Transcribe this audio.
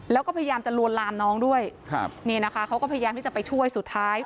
แล้วก็พยายามจะลวนลามน้องด้วยครับนี่นะคะเขาก็พยายามที่จะไปช่วยสุดท้าย